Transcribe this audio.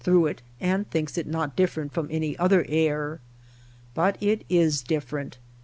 through it and thinks it not different from any other air. But it is different.